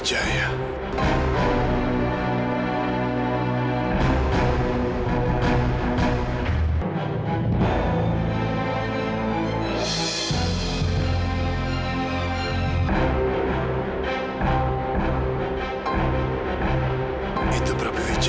sampai jumpa lagi